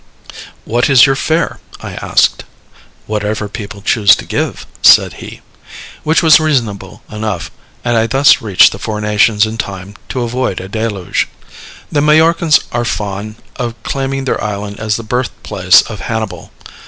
"What is your fare?" I asked. "Whatever people choose to give," said he, which was reasonable enough: and I thus reached the Four Nations in time to avoid a deluge. The Majorcans are fond of claiming their island as the birthplace of Hannibal.